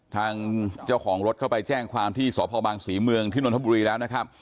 ทางเจ้าของรถเข้าไปแจ้งความที่สพบางศรีเมืองที่นนทบุรีแล้วนะครับ